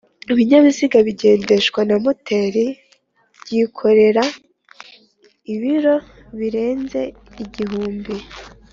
ibinyabiziga bigendeshwa na moteri byikorera ibiro birenze igihumbi